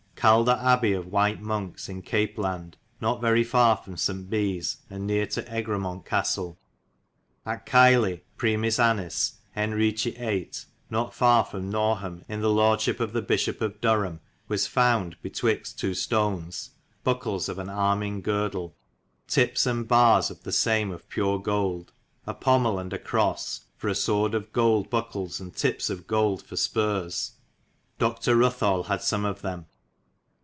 Caldher '' Abbay of whyte monkes yn Cape[land] '^ not very far from S. Beges, and nere to Egremont Castel. At Kiley^ prim's annis Henrici 8^ not far from Norham yn the lordship of the Bisshop [of Dyrham,] was fownd, be t[wixt ii. stonys,] bokels of an arming girdel, typpes and barres of [the same of pure] gold, a pomel and a crosse [for a sword of golde, bokels and typps of gold for spurres. D. Ruthall * had some of them.